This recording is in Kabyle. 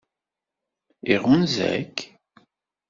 Iɣunza-k?